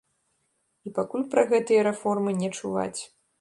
І пакуль пра гэтыя рэформы не чуваць.